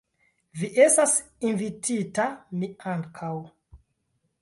Vi estas invitita, mi ankaŭ.